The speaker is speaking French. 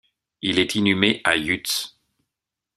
Il est inhumé à Yutz.